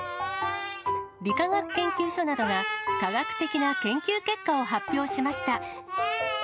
理化学研究所などが科学的な研究結果を発表しました。